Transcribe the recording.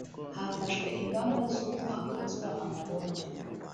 Hafashwe ingamba z’uko hakazwa amarondo